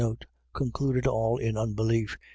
Concluded all in unbelief.